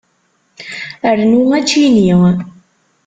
Rnu aččini.